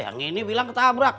yang ini bilang ketabrak